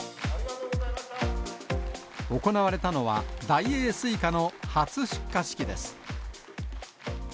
行われたのは、大栄スイカの初出荷式です。